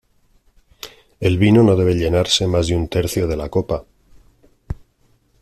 El vino no debe llenarse más de un tercio de la copa.